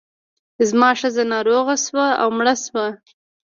زما ښځه ناروغه شوه او مړه شوه.